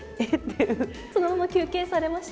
そのまま休憩されました？